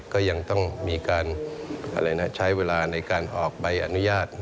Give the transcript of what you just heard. ก็ยังต้องมีการใช้เวลาในการออกใบอนุญาต